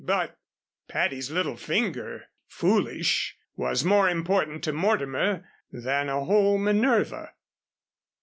But Patty's little finger foolish was more important to Mortimer than a whole Minerva.